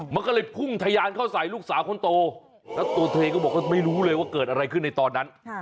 มันก็เลยพุ่งทะยานเข้าใส่ลูกสาวคนโตแล้วตัวเธอก็บอกว่าไม่รู้เลยว่าเกิดอะไรขึ้นในตอนนั้น